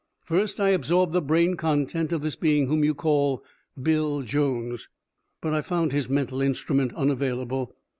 "First I absorbed the brain content of this being whom you call Bill Jones, but I found his mental instrument unavailable.